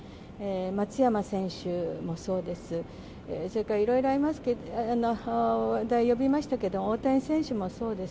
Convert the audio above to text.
松山選手もそうです、それからいろいろ話題を呼びましたけど、大谷選手もそうです。